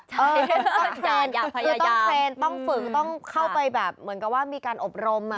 คือต้องเทรนด์คือต้องเทรนด์ต้องฝึกต้องเข้าไปแบบเหมือนกับว่ามีการอบรม